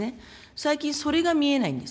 最近、それが見えないんです。